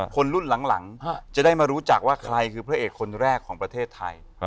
คนรุ่นหลังจะได้มารู้จักว่าใครคือพระเอกคนแรกของประเทศไทย